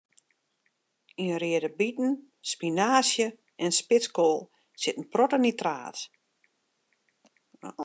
Yn reade biten, spinaazje en spitskoal sit in protte nitraat.